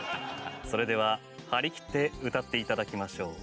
それでは張り切って歌って頂きましょう。